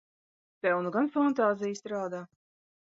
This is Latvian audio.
Tev nu gan fantāzija strādā!